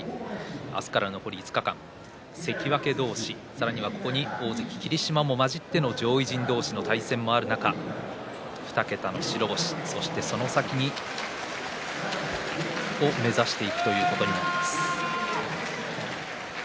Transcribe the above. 明日からの５日間関脇同士、それに大関霧島も交じって上位同士の対戦もある中２桁の白星、そしてその先を目指していくということになります。